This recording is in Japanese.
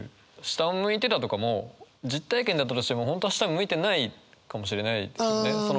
「下を向いて」だとかも実体験だったとしても本当は下を向いてないかもしれないですけどね。